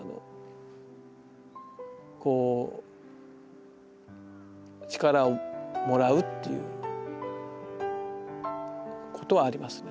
こう力をもらうっていうことはありますね。